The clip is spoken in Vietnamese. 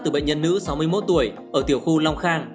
từ bệnh nhân nữ sáu mươi một tuổi ở tiểu khu long khan